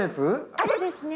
あれですね。